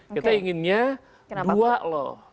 kita inginnya dua loh